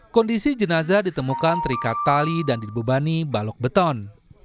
kondisi jenazah ditemukan terikat tali dan dibebani balok beton